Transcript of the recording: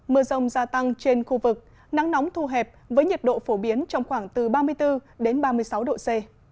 mưa rông gia tăng trên khu vực nắng nóng thu hẹp với nhiệt độ phổ biến trong khoảng từ ba mươi bốn ba mươi sáu độ c